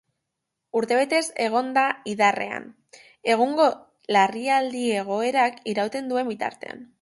Urtebetez egongo da indarrean, egungo larrialdi-egoerak irauten duen bitartean.